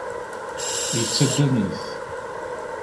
Yettaddam-it.